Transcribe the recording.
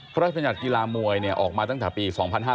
พระราชบัญญัติกีฬามวยออกมาตั้งแต่ปี๒๕๕๙